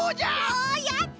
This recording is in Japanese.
おやった。